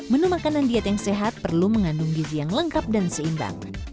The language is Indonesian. menu makanan diet yang sehat perlu mengandung gizi yang lengkap dan seimbang